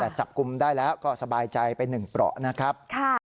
แต่จับกลุ่มได้แล้วก็สบายใจไป๑เปราะนะครับ